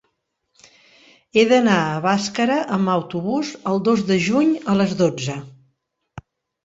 He d'anar a Bàscara amb autobús el dos de juny a les dotze.